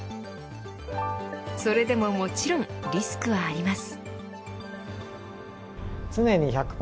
それでももちろんリスクはあります。